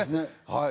はい